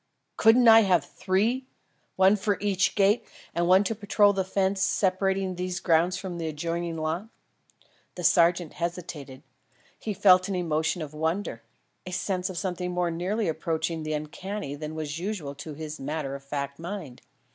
Couldn't I have three? One for each gate and one to patrol the fence separating these grounds from the adjoining lot?" The sergeant hesitated; he felt an emotion of wonder a sense of something more nearly approaching the uncanny than was usual to his matter of fact mind.